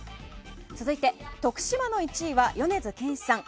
続いて徳島の１位は米津玄師さん。